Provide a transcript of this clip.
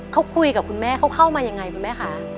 เขาคุยกับคุณแม่เขาเข้ามายังไงคุณแม่คะ